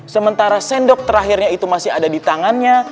sementara sendok terakhirnya itu masih ada di tangannya